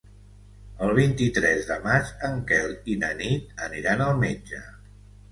El vint-i-tres de maig en Quel i na Nit aniran al metge.